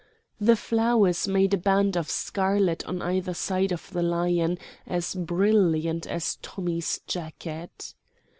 The flowers made a band of scarlet on either side of the Lion as brilliant as a Tommy's jacket.